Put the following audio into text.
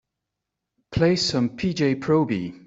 Play some P. J. Proby